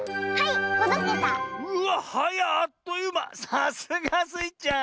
さすがスイちゃん。